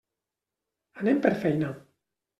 Anem per feina.